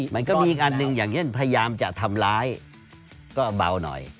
มันก็มีอีกอันหนึ่งอย่างเช่นพยายามจะทำร้ายก็เบาหน่อย